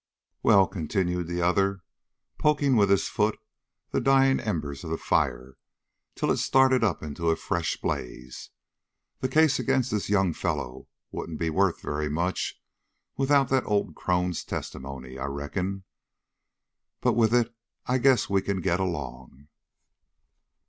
"Well," continued the other, poking with his foot the dying embers of the fire, till it started up into a fresh blaze, "the case against this young fellow wouldn't be worth very much without that old crone's testimony, I reckon; but with it I guess we can get along."